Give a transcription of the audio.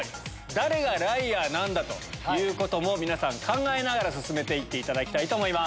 誰がライアーなんだということも皆さん考えながら進めて行っていただきたいと思います。